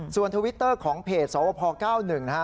ส่วนทวิตเตอร์ของเพจสวพ๙๑นะฮะ